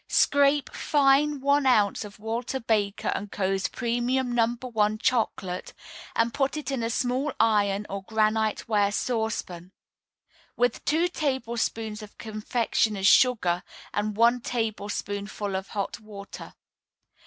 Scrape fine one ounce of Walter Baker & Co.'s Premium No. 1 Chocolate, and put it in a small iron or granite ware saucepan, with two tablespoonfuls of confectioners' sugar and one tablespoonful of hot water.